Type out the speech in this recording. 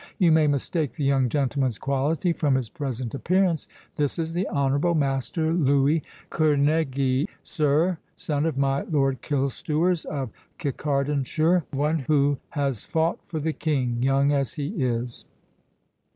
You may mistake the young gentleman's quality from his present appearance—this is the Honourable Master Louis Kerneguy, sir, son of my Lord Killstewers of Kincardineshire, one who has fought for the King, young as he is."